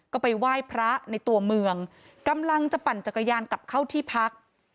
ก็ไปไหว้พระในตัวเมืองกำลังจะปั่นจักรยานกลับเข้าที่พัก